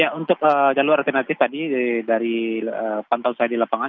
ya untuk jalur alternatif tadi dari pantau saya di lapangan